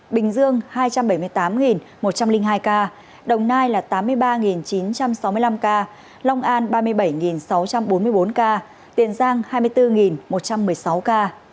bình dương hai trăm bảy mươi tám một trăm linh hai ca đồng nai là tám mươi ba chín trăm sáu mươi năm ca long an ba mươi bảy sáu trăm bốn mươi bốn ca tiền giang hai mươi bốn một trăm một mươi sáu ca